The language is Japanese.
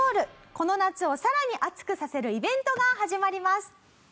この夏をさらに熱くさせるイベントが始まります。